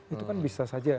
itu kan bisa saja